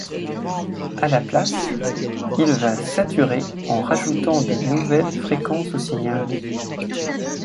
À la place, il va saturer en rajoutant de nouvelles fréquences au signal.